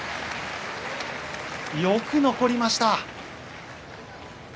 よく残りました。